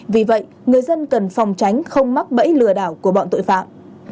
vì vậy người dân cần phòng tránh không mắc bẫy lừa đảo của bọn tội phạm